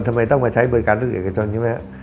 ทำไมต้องมาใช้บริการเรื่องเอกชนใช่ไหม